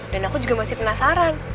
dan aku juga masih penasaran